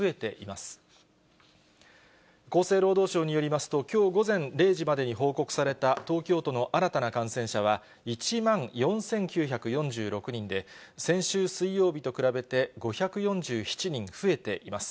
厚生労働省によりますと、きょう午前０時までに報告された東京都の新たな感染者は１万４９４６人で、先週水曜日と比べて、５４７人増えています。